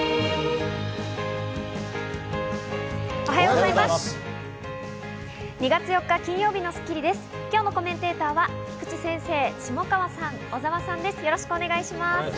おはようございます。